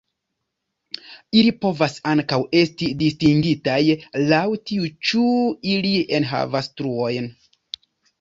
Ili povas ankaŭ esti distingitaj laŭ tio ĉu ili enhavas truojn.